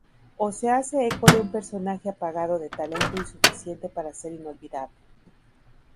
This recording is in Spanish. O se hace eco de un personaje apagado de talento insuficiente para ser inolvidable.